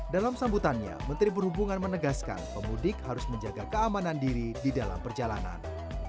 dalam sambutannya menteri perhubungan menegaskan pemudik harus menjaga keamanan diri di dalam perjalanan